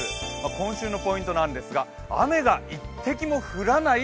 今週のポイントなんですが雨が一滴も降らない？